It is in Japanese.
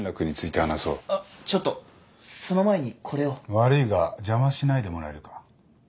悪いが邪魔しないでもらえるか？